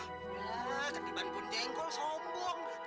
nah cek diban punji engkol sombong